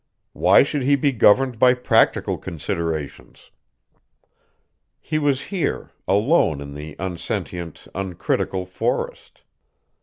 Why should he be governed by practical considerations? He was here, alone in the unsentient, uncritical forest.